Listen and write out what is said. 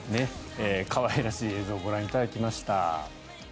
可愛らしい映像をご覧いただきました。